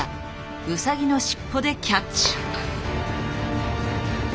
ウサギの尻尾でキャッチ。